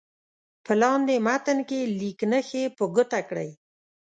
په لاندې متن کې لیک نښې په ګوته کړئ.